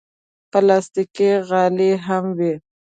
پلاستيکي غالۍ هم وي.